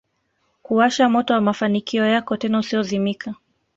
kuwasha moto wa mafanikio yako tena usiozimika